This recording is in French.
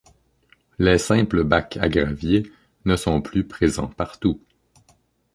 Les simples bacs à gravier ne sont plus présents partout.